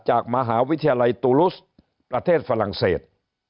จากมหาวิทยาลัยตูรุสประเทศฝรั่งเศส